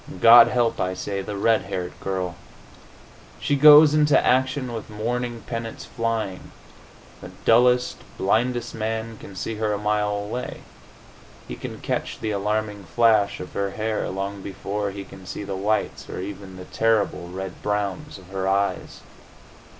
God help, I say, the red haired girl! She goes into action with warning pennants flying. The dullest, blindest man can see her a mile away; he can catch the alarming flash of her hair long before he can see the whites, or even the terrible red browns, of her eyes.